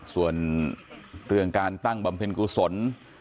ส่วนเรื่องการตั้งบำเพ็ญกุศล